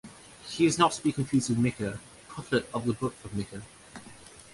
He is not to be confused with Micah, prophet of the Book of Micah.